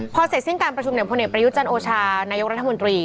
พอเสร็จสิ้นการประชุมเหนือพเปรยุทธจันทร์โอชานายกรัฐมนตรี